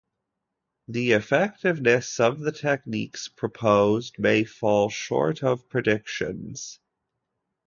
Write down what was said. The effectiveness of the techniques proposed may fall short of predictions.